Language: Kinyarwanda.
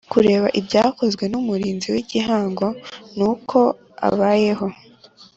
Kureba ibyakozwe n Umurinzi w Igihango n uko abayeho